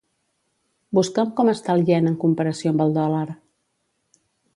Busca'm com està el ien en comparació amb el dòlar.